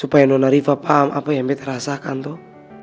supaya nona riva paham apa yang beta rasakan tuh